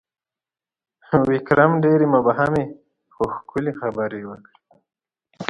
ویکرم ډېرې مبهمې، خو ښکلي خبرې وکړې: